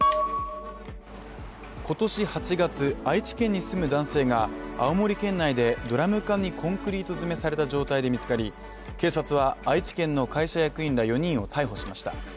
今年８月、愛知県に住む男性が青森県内でドラム缶にコンクリート詰めにされた状態で見つかり警察は愛知県の会社役員ら４人を逮捕しました。